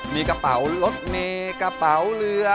มีกระเป๋ารถเมย์กระเป๋าเรือ